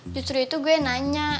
justru itu gue nanya